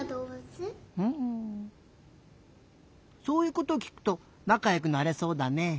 そういうこときくとなかよくなれそうだね。